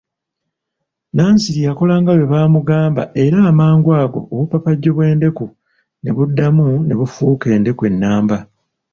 Nanziri yakolanga bwe baamugamba era amangu ago obupapajjo bw'endeku ne buddamu ne bufuuka endeku ennamba.